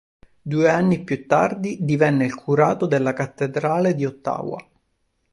Due anni più tardi divenne il curato della cattedrale di Ottawa.